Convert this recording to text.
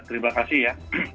terima kasih ya